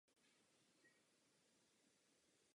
Nicméně, jakkoli je tento krok důležitý, není tím posledním.